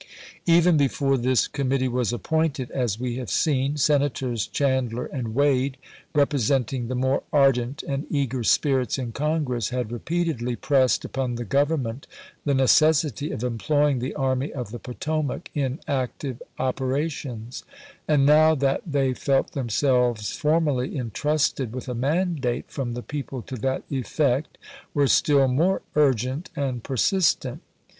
Even before this committee was appointed, as we have seen, Senators Chandler and Wade, repre senting the more ardent and eager spirits in Con gress, had repeatedly pressed upon the Grovernment the necessity of employing the Army of the Poto mac in active operations ; and now that they felt themselves formally intrusted with a mandate from the people to that effect, were still more urgent and persistent.